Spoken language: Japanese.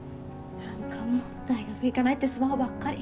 何かもう大学行かないってスマホばっかり。